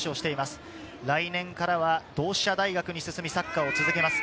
来年からは同志社大学に進み、サッカーを続けます。